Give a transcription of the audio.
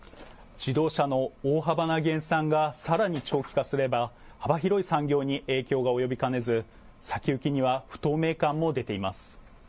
自動車の大幅な減産がさらに長期化すれば幅広い産業に影響が及びかねず、先行きには不透明感も出ています。